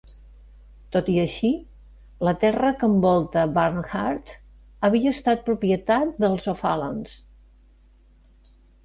Tot i així, la terra que envolta Barnhart havia estat propietat dels O'Fallons.